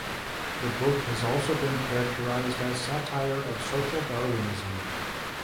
The book has also been characterized as satire of Social Darwinism.